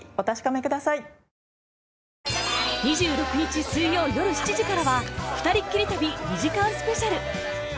２６日水曜よる７時からは『ふたりっきり旅』２時間スペシャル